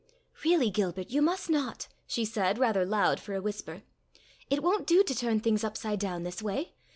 "Really, Gilbert, you must not," she said, rather loud for a whisper. "It won't do to turn things upside down this way.